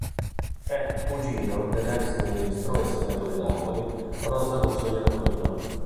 È cugino dell'ex ministro e sindaco di Napoli Rosa Russo Iervolino.